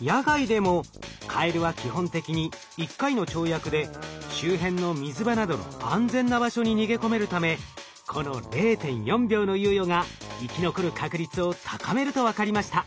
野外でもカエルは基本的に一回の跳躍で周辺の水場などの安全な場所に逃げ込めるためこの０．４秒の猶予が生き残る確率を高めると分かりました。